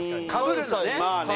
まあね。